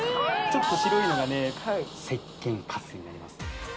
ちょっと白いのが石鹸カスになります